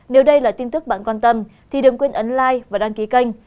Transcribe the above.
nếu đây là tin tức bạn quan tâm thì đừng quên ấn lai và đăng ký kênh